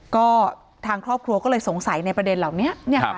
ก็ทางครอบครัวก็เลยสงสัยในประเด็นเหล่านี้